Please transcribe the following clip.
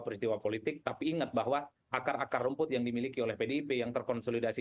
peristiwa politik tapi ingat bahwa akar akar rumput yang dimiliki oleh pdip yang terkonsolidasi